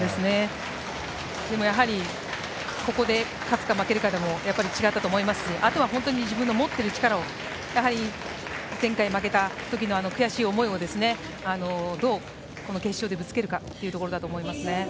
でも、やはりここで勝つか負けるかでも違ったと思いますしあとは自分が持っている力を前回負けたときの悔しい思いをどうこの決勝でぶつけるかというところだと思います。